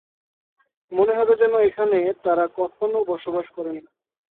মনে হবে যেন এখানে তারা কখনও বসবাস করেনি।